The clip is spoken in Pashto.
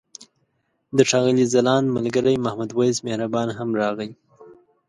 د ښاغلي ځلاند ملګری محمد وېس مهربان هم راغی.